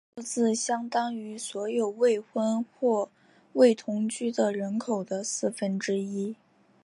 这一数字相当于所有未婚或未同居的人口的四分之一。